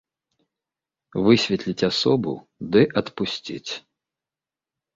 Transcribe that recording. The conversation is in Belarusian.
Высветліць асобу ды адпусціць.